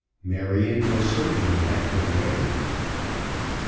MARION WILL CERTAINLY HAVE HER WAY.